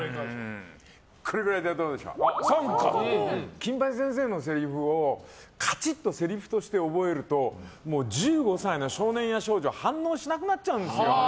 金八先生のせりふをカチッとせりふとして覚えるともう１５歳の少年や少女は反応しなくなっちゃうんです。